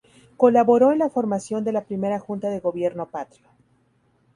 Colaboró en la formación de la Primera Junta de gobierno patrio.